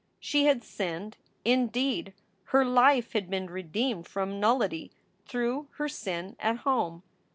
She had sinned indeed, her life had been redeemed from nullity through her sin at home.